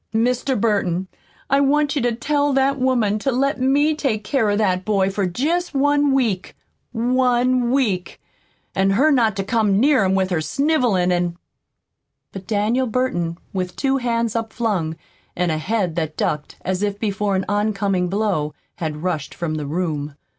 Mr. Burton, I want you to tell that woman to let me take care of that boy for jest one week ONE WEEK, an' her not to come near him with her snivelin' an' " But Daniel Burton, with two hands upflung, and a head that ducked as if before an oncoming blow, had rushed from the room.